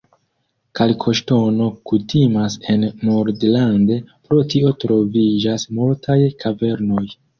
Kalkoŝtono kutimas en Nordland, pro tio troviĝas multaj kavernoj.